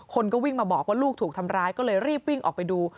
คนก็วิ่งมาบอกว่าลูกถูกทำร้ายก็เลยรีบวิ่งออกไปดู